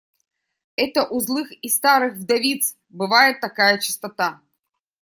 Это у злых и старых вдовиц бывает такая чистота.